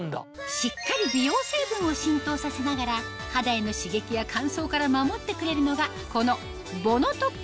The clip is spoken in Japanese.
しっかり美容成分を浸透させながら肌への刺激や乾燥から守ってくれるのがこのＢＯＮＯＴＯＸ